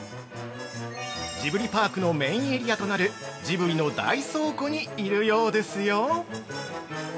ジブリパークのメインエリアとなるジブリの大倉庫にいるようですよ。